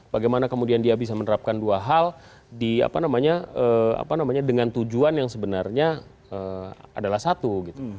bagaimana kemudian dia bisa menerapkan dua hal dengan tujuan yang sebenarnya adalah satu